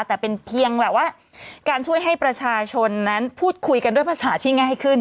แต่เป็นเพียงแหละว่าการช่วยให้ประชาชนนั้นพูดคุยกันด้วยภาษาที่ง่ายขึ้น